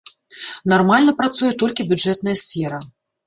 Нармальна працуе толькі бюджэтная сфера.